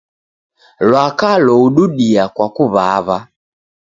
Lwaka loududia kwa kuw'aw'a.